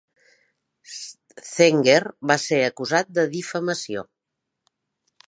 Zenger va ser acusat de difamació.